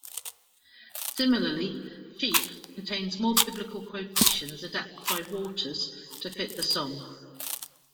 Similarly, "Sheep", contains more Biblical quotations adapted by Waters to fit the song.